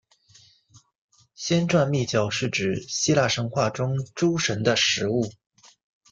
仙馔密酒是指希腊神话中诸神的食物。